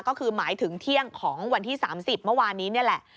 ก็คือหมายถึงเที่ยงของวันที่๓๐เมื่อวานนี้นี่แหละ